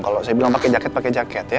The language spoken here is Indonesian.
kalau saya bilang pakai jaket pakai jaket ya